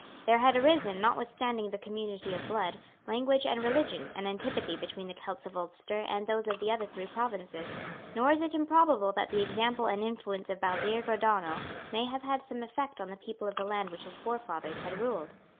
There had arisen, notwithstanding the community of blood, language and religion, an antipathy between the Celts of Ulster and those of the other three provinces; nor is it improbable that the example and influence of Baldearg O'Donnel may have had some effect on the people of the land which his forefathers had ruled.